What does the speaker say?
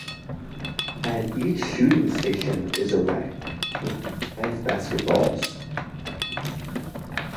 At each shooting station is a rack with five basketballs.